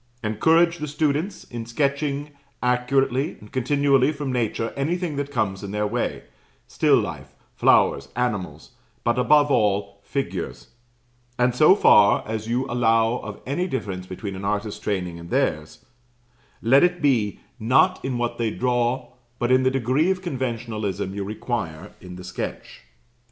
Encourage the students, in sketching accurately and continually from nature anything that comes in their way still life, flowers, animals; but, above all, figures; and so far as you allow of any difference between an artist's training and theirs, let it be, not in what they draw, but in the degree of conventionalism you require in the sketch.